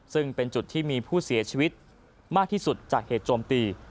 ซึ่งเป็นจุดที่มีผู้เสียชีวิตมากที่สุดจากเหตุโจมตี